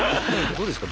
どうですか？